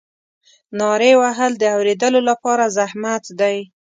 نارې وهل د اورېدلو لپاره زحمت دی.